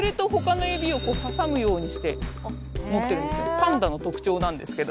パンダの特徴なんですけど。